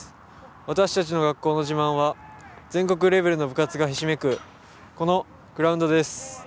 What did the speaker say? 私たちの学校の自慢は全国レベルの部活がひしめくこのグラウンドです。